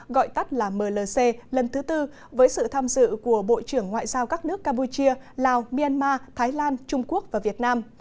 gọi tắt là mlc lần thứ tư với sự tham dự của bộ trưởng ngoại giao các nước campuchia lào myanmar thái lan trung quốc và việt nam